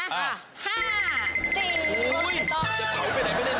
กลัวตกเหมือนกันน่ะ